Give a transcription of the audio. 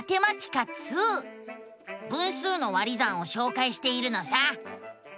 分数の「割り算」をしょうかいしているのさ。